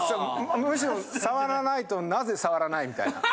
むしろ触らないとなぜ触らない？みたいな。